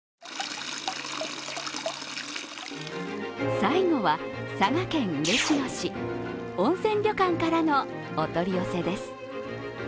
最後は佐賀県嬉野市、温泉旅館からのお取り寄せです。